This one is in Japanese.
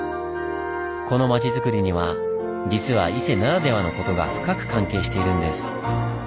この町づくりには実は伊勢ならではのことが深く関係しているんです。